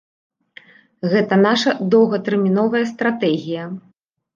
Гэта наша доўгатэрміновая стратэгія.